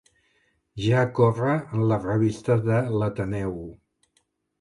Ja corre la revista de l'Ateneu.